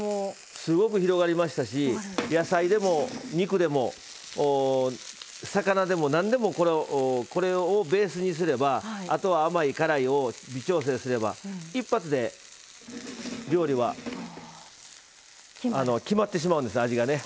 すごく広がりましたし野菜でも肉でも魚でもなんでもこれをベースにすればあとは甘い、辛いを微調整すれば一発で料理は決まってしまうんです味がね。